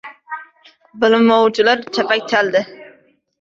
Bilmovchilar chapak chaldi.